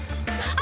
あ。